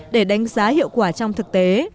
để đánh giá hiệu quả trong thực tế